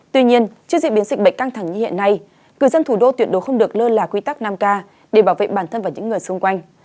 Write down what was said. tuy nhiên trước diễn biến dịch bệnh căng thẳng như hiện nay người dân thủ đô tuyệt đối không được lơ là quy tắc năm k để bảo vệ bản thân và những người xung quanh